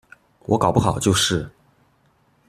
我搞不好就是